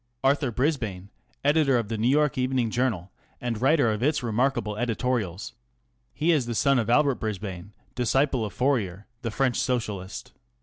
Arthur Brisbane, editor of the Neiv York Evening Journal and writer of its remarkable editorials. He is the son of Albert Brisbane, disciple of Fourier, the French socialist.